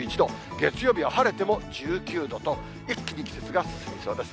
月曜日は晴れても１９度と、一気に季節が進みそうです。